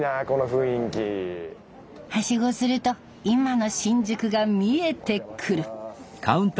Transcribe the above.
はしごすると今の新宿が見えてくる。